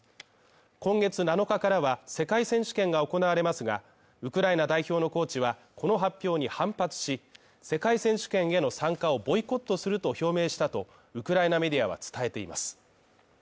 今月７日からは、世界選手権が行われますが、ウクライナ代表のコーチはこの発表に反発し、世界選手権への参加をボイコットすると表明したとウクライナメディアは伝えています。